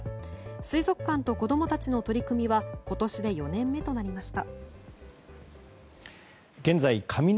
水族館と子供たちの取り組みは今年で４年目となりました。